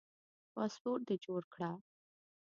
پاسپورټ دي جوړ کړه